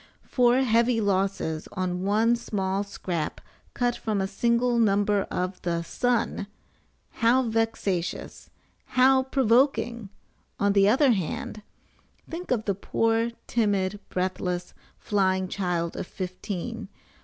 FOUR HEAVY LOSSES ON ONE SMALL SCRAP CUT FROM A SINGLE NUMBER OF THE "SUN!" HOW VEXATIOUS! HOW PROVOKING! ON THE OTHER HAND, THINK OF THE POOR, TIMID, BREATHLESS, FLYING CHILD OF FIFTEEN!